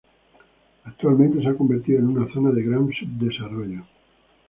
Actualmente se ha convertido en una zona de gran subdesarrollo.